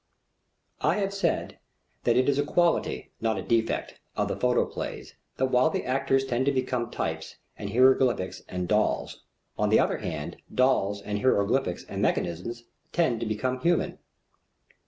I have said that it is a quality, not a defect, of the photoplays that while the actors tend to become types and hieroglyphics and dolls, on the other hand, dolls and hieroglyphics and mechanisms tend to become human.